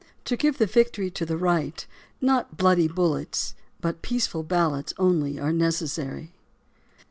To give the victory to the right, not bloody bullets, but peaceful ballots only are necessary.